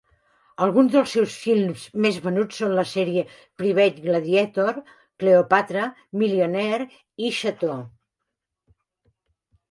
Alguns dels seus films més venuts són la sèrie "Private Gladiator", "Cleopatra", "Millionaire" i "Chateau".